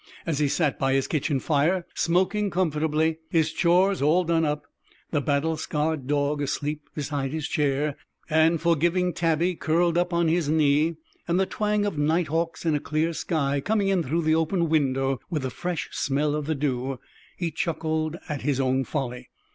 As he sat by his kitchen fire, smoking comfortably, his chores all done up, the battle scarred dog asleep beside his chair, and forgiving tabby curled up on his knee, and the twang of night hawks in a clear sky coming in through the open window with the fresh smell of the dew, he chuckled at his own folly.